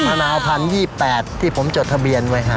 มะนาว๑๐๒๘ที่ผมจดทะเบียนไว้